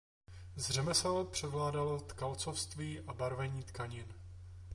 Z řemesel převládalo tkalcovství a barvení tkanin.